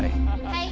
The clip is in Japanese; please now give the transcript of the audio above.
はい。